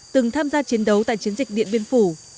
từng tham gia chiến đấu tại chiến dịch điện biên phủ